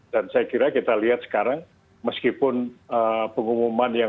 dan saya kira kita lihat sekarang meskipun pengumuman yang